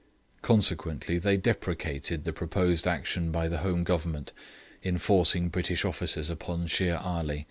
Consequently they deprecated the proposed action by the Home Government in forcing British officers upon Shere Ali.